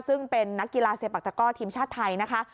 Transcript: ซึ่งเป็นนักกีฬาเสียบปรักฏกอร์ทีมชาติไทยนะคะ